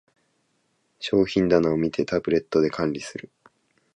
商品棚を見て、タブレットで管理する